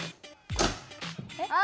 あ！